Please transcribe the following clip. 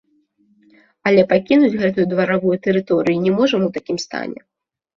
Але пакінуць гэтую дваравую тэрыторыю не можам у такім стане.